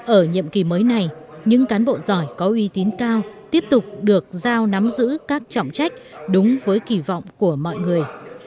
ở nhiệm kỳ mới này những cán bộ giỏi có uy tín cao tiếp tục được giao nắm giữ các trọng trách đúng với kỳ vọng của mọi người